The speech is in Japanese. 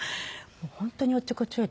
本当におっちょこちょいで。